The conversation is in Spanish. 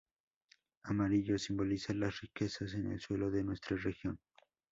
Amarillo: simboliza Las riquezas en el suelo de nuestra región.